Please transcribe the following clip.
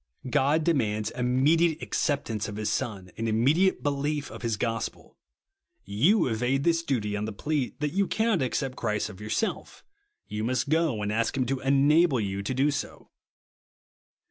God demands hwniediate acceptance of his Son, and immediate belief of his gos pel. You evade this duty on the plea, that as you cannot accept Christ of yourself, you must go and ask him to enable you to do so.